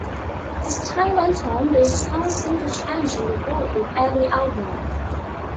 As time went on, their sound seemed to change and evolve with every album.